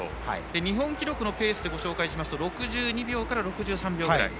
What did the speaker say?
日本記録のペースでご紹介すると６２秒から６３秒ぐらい。